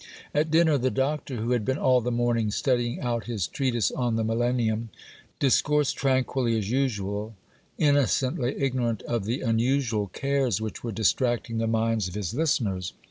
At dinner, the Doctor, who had been all the morning studying out his Treatise on the Millennium, discoursed tranquilly as usual, innocently ignorant of the unusual cares which were distracting the minds of his listeners.